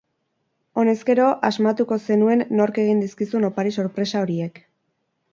Honezkero asmatuko zenuen nork egin dizkizun opari sorpresa horiek.